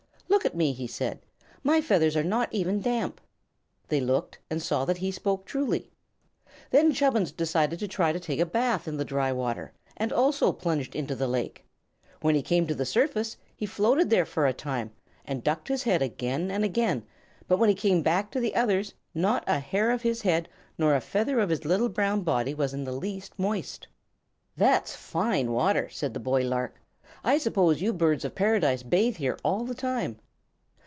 "Look at me," he said. "My feathers are not even damp." They looked, and saw that he spoke truly. Then Chubbins decided to try a bath in the dry water, and also plunged into the lake. When he came to the surface he floated there for a time, and ducked his head again and again; but when he came back to the others not a hair of his head nor a feather of his little brown body was in the least moist. "That's fine water," said the boy lark. "I suppose you Birds of Paradise bathe here all the time."